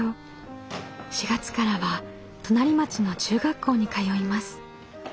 ４月からは隣町の中学校に通います。